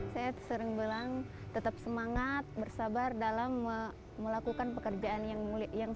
saya sering bilang tetap semangat bersabar dalam melakukan pekerjaan yang mulia